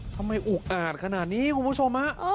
ทำไมอุกอ่านขนาดนี้คุณผู้ชมนะ